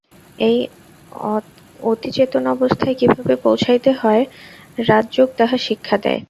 এই অতিচেতন অবস্থায় কিভাবে পৌঁছাইতে হয়, রাজযোগ তাহা শিক্ষা দেয়।